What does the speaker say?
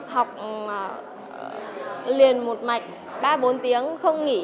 học liền một mạch ba bốn tiếng